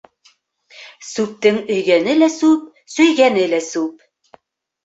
Сүптең өйгәне лә сүп, сөйгәне лә сүп.